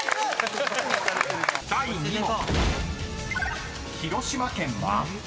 ［第２問］